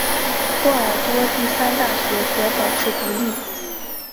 波尔多第三大学则保持独立。